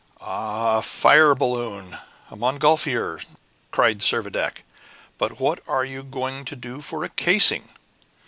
"Ah, a fire balloon! A montgolfier!" cried Servadac. "But what are you going to do for a casing?"